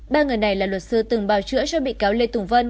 ba người này là luật sư từng bào chữa cho bị cáo lê tùng vân